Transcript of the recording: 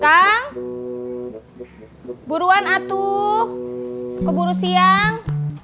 kang buruan atuh keburu siang